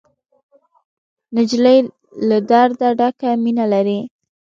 نجلۍ له درده ډکه مینه لري.